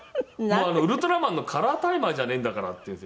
もうウルトラマンのカラータイマーじゃねえんだからっていう。